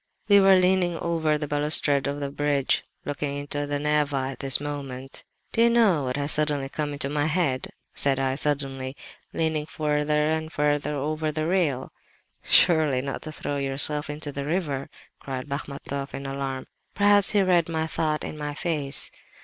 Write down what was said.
"We were leaning over the balustrade of the bridge, looking into the Neva at this moment. "'Do you know what has suddenly come into my head?' said I, suddenly—leaning further and further over the rail. "'Surely not to throw yourself into the river?' cried Bachmatoff in alarm. Perhaps he read my thought in my face.